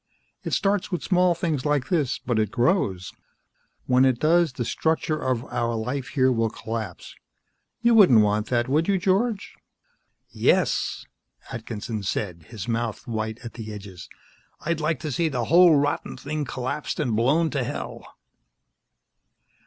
It starts with small things like this, but it grows. When it does, the structure of our life here will collapse. You wouldn't want that, would you, George?" "Yes!" Atkinson said, his mouth white at the edges. "I'd like to see the whole rotten thing collapsed and blown to hell!"